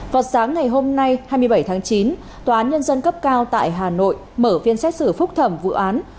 vào sáng ngày hôm nay hai mươi bảy tháng chín tòa án nhân dân cấp cao tại hà nội mở phiên xét xử phúc thẩm vụ án